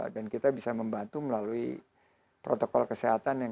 dan kita bisa membantu melalui protokol kesehatan